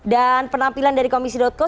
dan penampilan dari komisi co